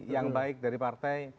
yang baik dari partai